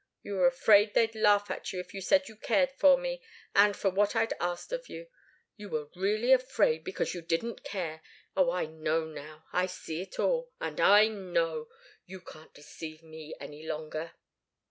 You were afraid they'd laugh at you if you said you cared for me, and for what I'd asked of you and you were really afraid, because you didn't really care. Oh, I know now I see it all, and I know! You can't deceive me any longer."